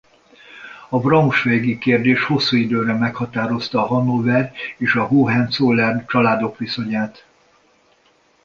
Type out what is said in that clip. A braunschweigi kérdés hosszú időre meghatározta a Hannover és a Hohenzollern családok viszonyát.